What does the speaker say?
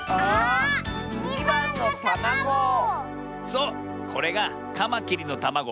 そうこれがカマキリのたまご。